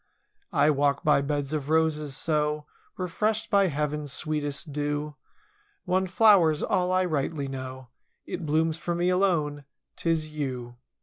I walk by beds of roses, so Refreshed by Heaven's sweetest dew—■ One flower's all I rightly know. It blooms for me alone—'tis you.